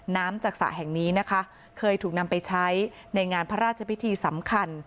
น้ำจากสระแห่งนี้นะคะเคยถูกนำไปใช้ในงานพระราชพิธีสำคัญ